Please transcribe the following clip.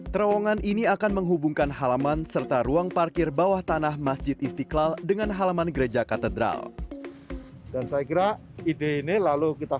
terowongan ini akan menghubungkan halaman serta ruang parkir bawah tanah masjid istiqlal dengan halaman gereja katedral